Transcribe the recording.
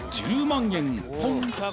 ３０万円